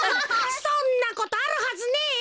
そんなことあるはずねえよ。